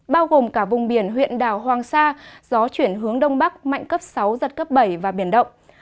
bao gồm cả vùng biển huyện đảo hoàng sa gió chuyển hướng đông bắc mạnh cấp sáu giật cấp bảy và biển động